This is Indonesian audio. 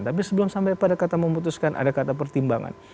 tapi sebelum sampai pada kata memutuskan ada kata pertimbangan